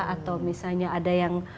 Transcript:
atau misalnya ada yang